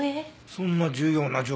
そんな重要な情報